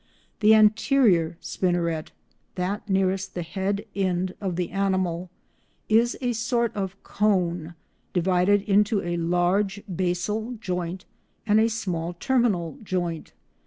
The anterior spinneret (that nearest the head end of the animal) is a sort of cone, divided into a large basal joint and a small terminal joint.